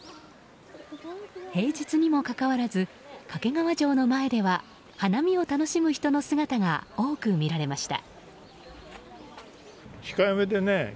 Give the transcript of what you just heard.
平日にもかかわらず掛川城の前では花見を楽しむ人の姿が多く見られました。